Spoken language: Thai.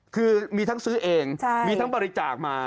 คือมีทั้งซื้อเองมีทั้งบริจาคมา